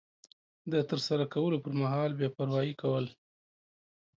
د ترسره کولو پر مهال بې پروایي کول